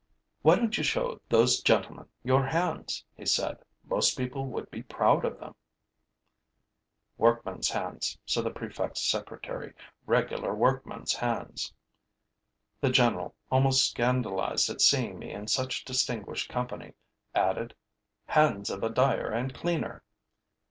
'Why don't you show those gentlemen your hands?' he said. 'Most people would be proud of them.' 'Workman's hands,' said the prefect's secretary. 'Regular workman's hands.' The general, almost scandalized at seeing me in such distinguished company, added: 'Hands of a dyer and cleaner.'